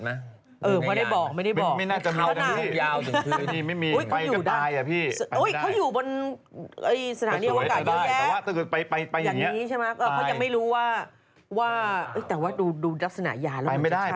มีคนอยู่ในจัลโหลดมั้ย